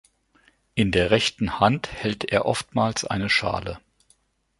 In der rechten Hand hält er oftmals eine Schale.